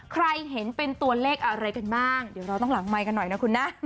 ใครเห็นเป็นตัวเลขอะไรกันบ้างเดี๋ยวเราต้องหลังไมค์กันหน่อยนะคุณนะ